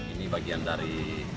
ini bagian dari